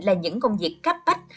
là những công việc cấp bách